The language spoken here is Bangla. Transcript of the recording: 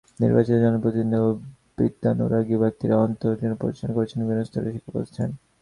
নির্বাচিত জনপ্রতিনিধি ও বিদ্যানুরাগী ব্যক্তিরা অঞ্চলভিত্তিক প্রতিষ্ঠা করেন বিভিন্ন স্তরের শিক্ষাপ্রতিষ্ঠান।